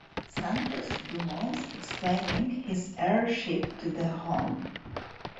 Santos Dumont Explaining His Air Ship to the Hon.